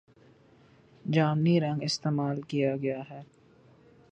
جامنی رنگ استعمال کیا گیا ہے